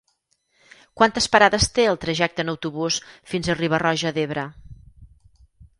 Quantes parades té el trajecte en autobús fins a Riba-roja d'Ebre?